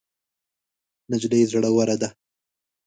نجلۍ زړوره ده.